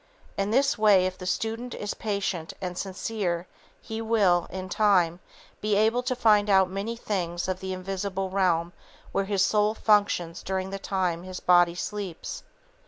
In this way if the student is patient and sincere he will, in time, be able to find out many things of the invisible realm where his soul functions during the time his body sleeps.